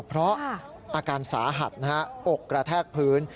เพราะอาการสาหัสนะฮะอกกระแทกพื้น